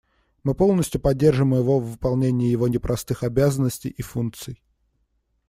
Мы полностью поддерживаем его в выполнении его непростых обязанностей и функций.